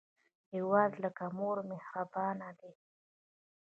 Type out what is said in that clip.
هیواد لکه مور مهربانه دی